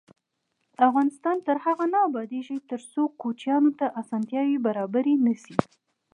افغانستان تر هغو نه ابادیږي، ترڅو کوچیانو ته اسانتیاوې برابرې نشي.